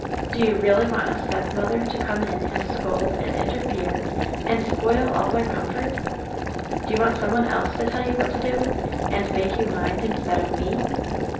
"Do you really want a stepmother to come in and scold and interfere and spoil all our comfort? Do you want some one else to tell you what to do, and make you mind, instead of me?